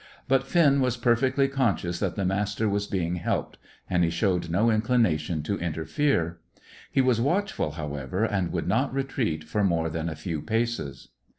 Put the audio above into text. But Finn was perfectly conscious that the Master was being helped, and he showed no inclination to interfere. He was watchful, however, and would not retreat for more than a few paces.